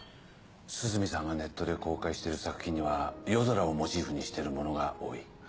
涼見さんがネットで公開している作品には夜空をモチーフにしてるものが多い。